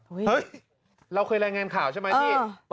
เฮ้ยเราเคยรายงานข่าวใช่ไหมพี่